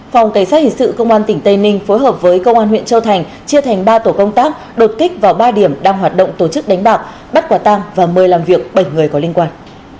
phòng cảnh sát hình sự công an tỉnh tây ninh phối hợp với công an huyện châu thành chia thành ba tổ công tác đột kích vào ba điểm đang hoạt động tổ chức đánh bạc bắt quả tang và mời làm việc bảy người có liên quan